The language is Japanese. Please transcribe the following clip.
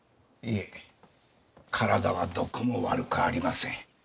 いえ体はどこも悪くありません。